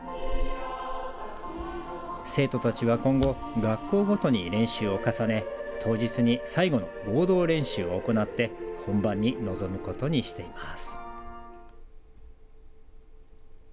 生徒たちは今後学校ごとに練習を重ね当日に最後の合同練習を行って本番に臨むことにしています。